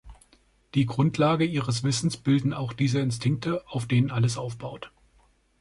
Die Grundlage ihres Wissens bilden auch diese Instinkte, auf denen alles aufbaut.